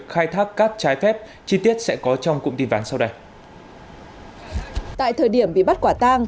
khai thác cát trái phép chi tiết sẽ có trong cụm tin ván sau đây tại thời điểm bị bắt quả tang